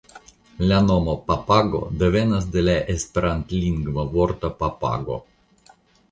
La nomo "Papago" devenas de la esperantlingva vorto papago.